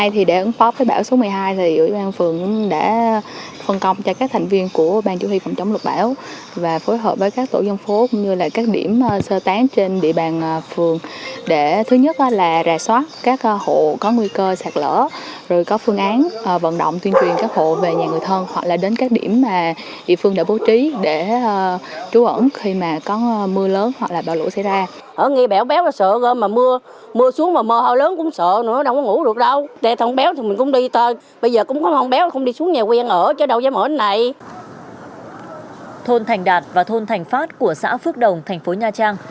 thôn thành đạt và thôn thành phát của xã phước đồng thành phố nha trang